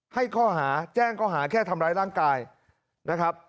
ให้ข้อหาแจ้งข้อหาแค่ทำร้ายร่างกายนะครับ